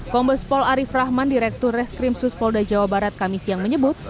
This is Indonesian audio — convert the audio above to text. kombes pol arief rahman direktur reskrim suspolda jawa barat kamis yang menyebut